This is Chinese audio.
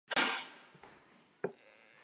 前鳃盖缺刻不显着。